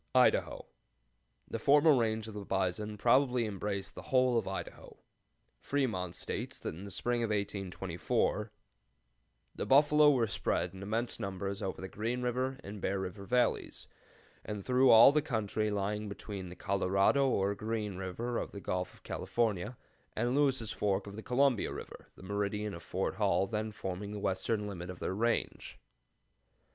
IDAHO. The former range of the bison probably embraced the whole of Idaho. Fremont states that in the spring of 1824 "the buffalo were spread in immense numbers over the Green River and Bear River Valleys, and through all the country lying between the Colorado, or Green River of the Gulf of California, and Lewis' Fork of the Columbia River, the meridian of Fort Hall then forming the western limit of their range."